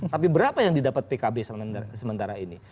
tapi berapa yang didapat pkb sementara ini